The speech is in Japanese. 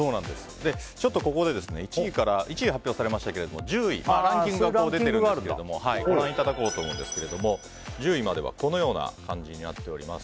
ちょっとここで１位を発表されましたがランキングが出ているんですがご覧いただこうと思うんですが１０位まではこのような漢字になっております。